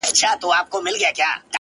په چوپتیا پای ته رسېږي